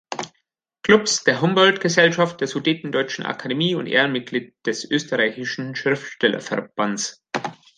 Clubs, der Humboldt-Gesellschaft, der Sudetendeutschen Akademie und Ehrenmitglied des österreichischen Schriftstellerverbandes.